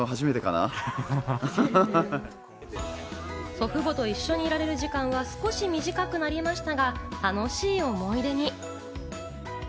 祖父母と一緒にいられる時間は少し短くなりましたが、楽しい思い出に。